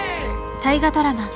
大河ドラマ